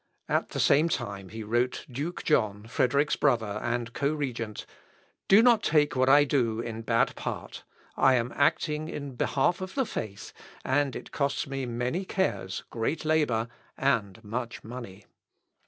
At the same time he wrote Duke John, Frederick's brother, and co regent, "Do not take what I do in bad part, I am acting in behalf of the faith, and it costs me many cares, great labour, and much money."